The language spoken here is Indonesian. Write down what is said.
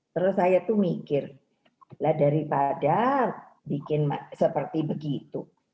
terus saya tuh mikir lah daripada bikin seperti begitu